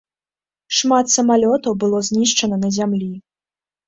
Шмат самалётаў было знішчана на зямлі.